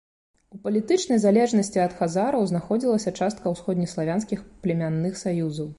У палітычнай залежнасці ад хазараў знаходзілася частка ўсходнеславянскіх племянных саюзаў.